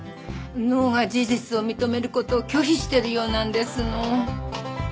脳が事実を認める事を拒否しているようなんですの。